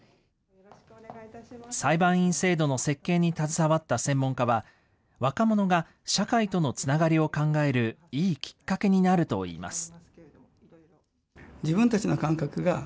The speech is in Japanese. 裁判員制度の設計に携わった専門家は、若者が社会とのつながりを考えるいいきっかけになるといいます。